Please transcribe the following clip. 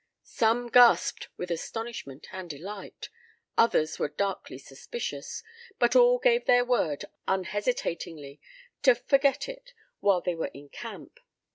Some gasped with astonishment and delight, others were darkly suspicious, but all gave their word unhesitatingly to "forget it" while they were in camp.